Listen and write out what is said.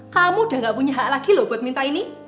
kamu udah gak punya hak lagi loh buat minta ini